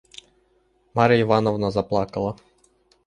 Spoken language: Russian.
Марья Ивановна заплакала.